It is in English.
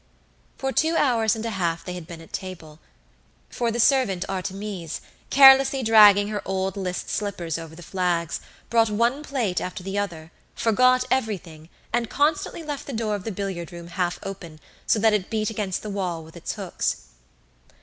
For two hours and a half they had been at table; for the servant Artémis, carelessly dragging her old list slippers over the flags, brought one plate after the other, forgot everything, and constantly left the door of the billiard room half open, so that it beat against the wall with its hooks.